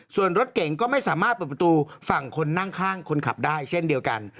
ส่วนรถเก่งก็ไม่สามารถเปิดประตูฝั่งคนนั่งข้างคนขับได้เช่นเดียวกัน